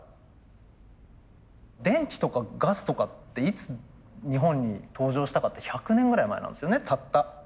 電気とかガスとかっていつ日本に登場したかって１００年ぐらい前なんですよねたった。